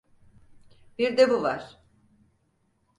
Bir de bu var.